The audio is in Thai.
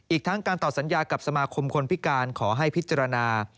อีกทั้งการตอบสัญญากับสมาคมคนพิการขอให้พิจารณา